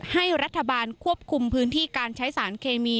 ให้รัฐบาลควบคุมพื้นที่การใช้สารเคมี